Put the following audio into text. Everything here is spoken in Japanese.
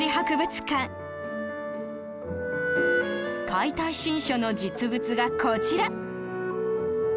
『解体新書』の実物がこちら